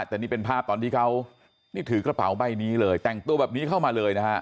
แต่นี่เป็นภาพตอนที่เขานี่ถือกระเป๋าใบนี้เลยแต่งตัวแบบนี้เข้ามาเลยนะฮะ